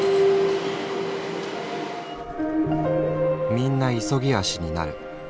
「みんな急ぎ足になる。